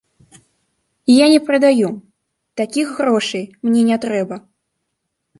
Я не прадаю, такіх грошай мне не трэба.